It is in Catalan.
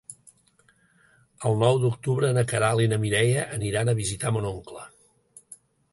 El nou d'octubre na Queralt i na Mireia aniran a visitar mon oncle.